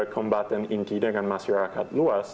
kombatan inti dengan masyarakat luas